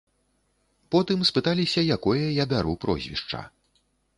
Потым спыталіся, якое я бяру прозвішча.